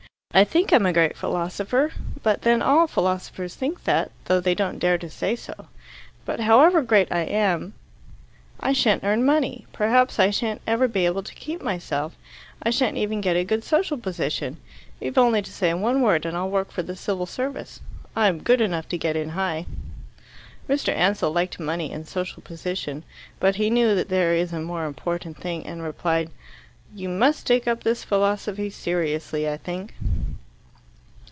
I think I'm a great philosopher, but then all philosophers think that, though they don't dare to say so. But, however great I am. I shan't earn money. Perhaps I shan't ever be able to keep myself. I shan't even get a good social position. You've only to say one word, and I'll work for the Civil Service. I'm good enough to get in high." Mr. Ansell liked money and social position. But he knew that there is a more important thing, and replied, "You must take up this philosophy seriously, I think."